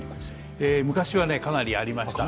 昔はかなりありました。